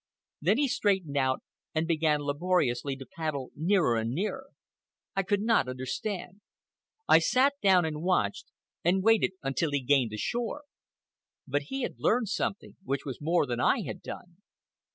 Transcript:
Then he straightened out and began laboriously to paddle nearer and nearer. I could not understand. I sat down and watched and waited until he gained the shore. But he had learned something, which was more than I had done.